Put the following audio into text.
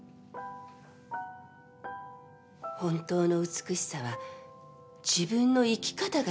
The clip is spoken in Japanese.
本当の美しさは自分の生き方が決めるものよ。